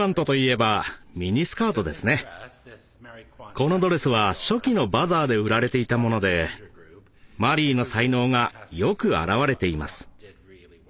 このドレスは初期の「バザー」で売られていたものでマリーの才能がよく表れています。